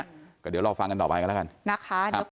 แต่เขาก็ไม่ยอมหยุด